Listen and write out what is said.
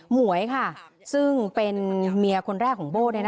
หวยค่ะซึ่งเป็นเมียคนแรกของโบ้